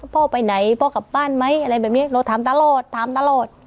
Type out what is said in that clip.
พ่อไปไหนพ่อกลับบ้านไหมอะไรแบบนี้เราถามตลอดถามตลอด